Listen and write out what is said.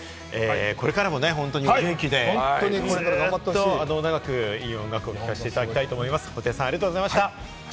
これからも本当に元気で、ずっと長くいい音楽をお届けしていただきたいと思います。